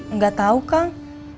nggak tau kang